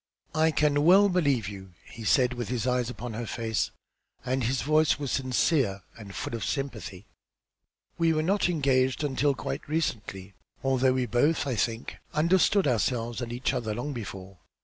"I can well believe you," he said, with his eyes upon her face, and his voice was sincere and full of sympathy. "We were not engaged until quite recently. Although we both, I think, understood ourselves and each other long before.